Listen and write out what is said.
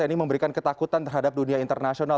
ini memberikan ketakutan terhadap dunia internasional